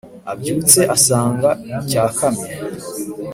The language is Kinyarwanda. abyutse asanga cyakamye.